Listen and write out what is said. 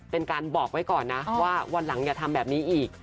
เป็นการบอกไว้ก่อนนะว่าวันหลังอย่าทำแบบนี้อีก